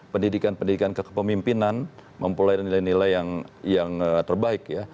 pendidikan pendidikan kepemimpinan memperoleh nilai nilai yang terbaik ya